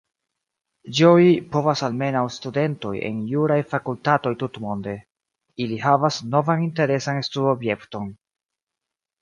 Ĝoji povas almenaŭ studentoj en juraj fakultatoj tutmonde: ili havas novan interesan studobjekton.